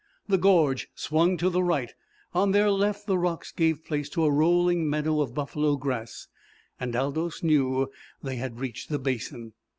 The gorge swung to the right; on their left the rocks gave place to a rolling meadow of buffalo grass, and Aldous knew they had reached the basin.